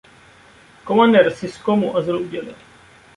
Komandér Sisko mu azyl udělí.